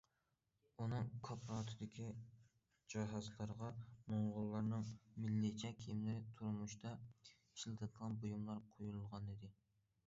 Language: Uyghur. ئۇنىڭ كوپىراتىپىدىكى جاھازلارغا موڭغۇللارنىڭ مىللىيچە كىيىملىرى، تۇرمۇشتا ئىشلىتىلىدىغان بۇيۇملار قويۇلغانىدى.